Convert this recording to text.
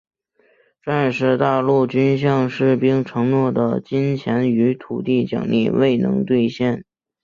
战时大陆军向士兵承诺的金钱与土地奖励未能兑现。